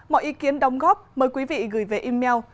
mọi ý kiến đóng góp mời quý vị gửi về email